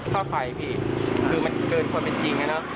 ค่าไฟพี่คือมันเกินความเป็นจริงนะครับ